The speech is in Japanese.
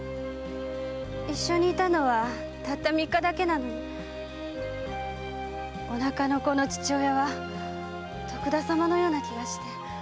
一緒にいたのはたった三日だけなのにお腹の子の父親は徳田様のような気がして。